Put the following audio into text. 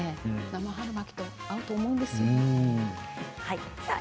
生春巻きと合うと思うんですよ。